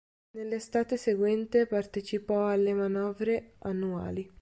Nell'estate seguente partecipò alle manovre annuali.